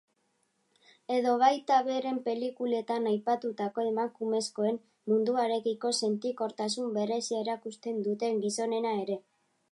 Edo baita beren pelikuletan aipatutako emakumezkoen munduarekiko sentikortasun berezia erakusten duten gizonena ere.